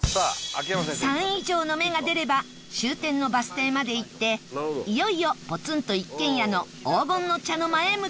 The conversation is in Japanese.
３以上の目が出れば終点のバス停まで行っていよいよポツンと一軒家の黄金の茶の間へ向かえます